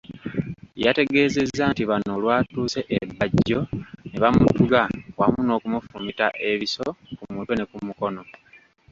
Yategeezezza nti bano olwatuuse e Bajjo ne bamutuga wamu n'okumufumita ebiso ku mutwe ne kumukono.